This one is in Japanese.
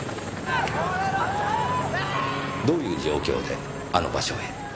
どういう状況であの場所へ？